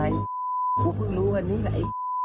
เป็นอะไรพวกมึงรู้อันนี้แหละ